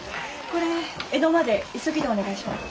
これ江戸まで急ぎでお願いします。